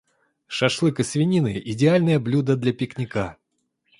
Шашлык из свинины - идеальное блюдо для пикника.